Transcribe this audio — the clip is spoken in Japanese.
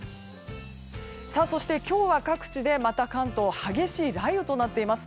そして今日は各地でまた関東激しい雷雨となっています。